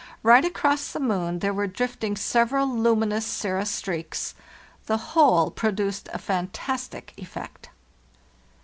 Right across the moon there were drifting several luminous cirrhus streaks. The whole produced a fan tastic effect.